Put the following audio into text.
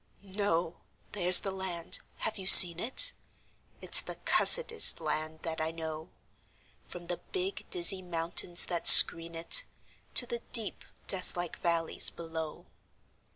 No! There's the land. (Have you seen it?) It's the cussedest land that I know, From the big, dizzy mountains that screen it To the deep, deathlike valleys below.